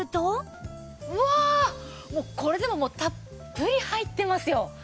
わあこれでももうたっぷり入ってますよ。